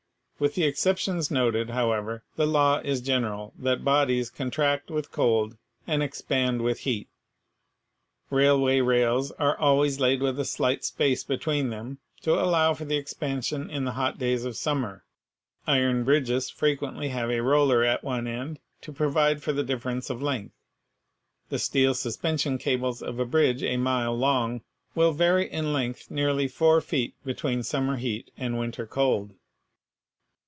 With the exceptions noted, however, the law is general that bodies contract with cold, and expand with heat. Rail way rails are always laid with a slight space between them to allow for the expansion in the hot days of summer. Iron bridges frequently have a roller at one end to provide for the difference of length. The steel suspension cables of a bridge a mile long will vary in length nearly four feet between summer heat and winter cold.